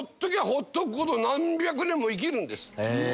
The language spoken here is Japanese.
ほっとくほど何百年も生きるんです。